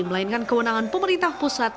melainkan kewenangan pemerintah pusat